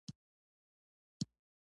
ښځو د زېږون له امله ستره بیه ورکړه.